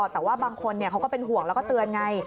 แต่ว่าบางคนเขาก็เป็นห่วงแล้วก็เตือนไง